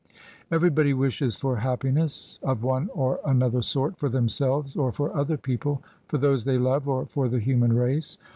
Everybody wishes for happiness of one or an other sort for themselves, or for other people — for those they love, or for the human race.